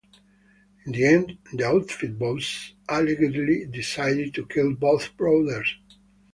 In the end, the Outfit bosses allegedly decided to kill both brothers.